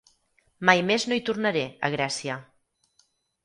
Mai més no hi tornaré, a Grècia.